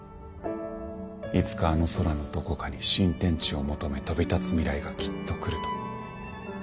いつかあの宙のどこかに新天地を求め飛び立つ未来がきっと来ると。